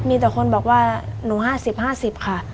มีแต่คนบอกว่าหนูห้าสิบห้าสิบค่ะ